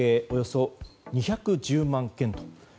およそ２１０万軒と。